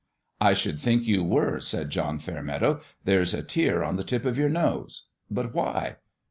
" I should think you were," said John Fair meadow. " There's a tear on the tip of your nose. But why